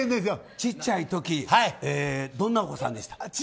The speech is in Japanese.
ちっちゃい時どんなお子さんでした？